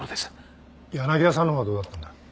柳田さんの方はどうだったんだ？